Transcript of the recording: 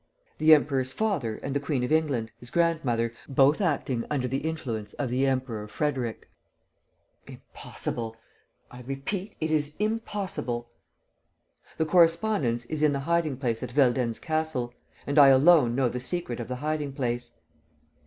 "The Emperor's father and the Queen of England, his grandmother, both acting under the influence of the Empress Frederick." "Impossible! I repeat, it is impossible!" "The correspondence is in the hiding place at Veldenz Castle; and I alone know the secret of the hiding place."